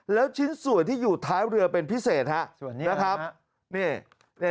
แล้วชิ้นส่วนที่อยู่ท้ายเรือเป็นพิเศษฮะนะครับนี่